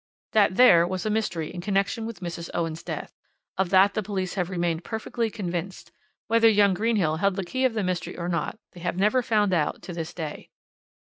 "That there was a mystery in connection with Mrs. Owen's death of that the police have remained perfectly convinced; whether young Greenhill held the key of that mystery or not they have never found out to this day.